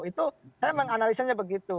itu saya menganalisanya begitu